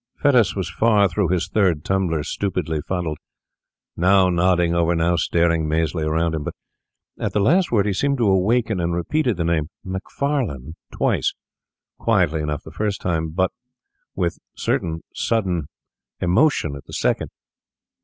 Fettes was far through his third tumbler, stupidly fuddled, now nodding over, now staring mazily around him; but at the last word he seemed to awaken, and repeated the name 'Macfarlane' twice, quietly enough the first time, but with sudden emotion at the second.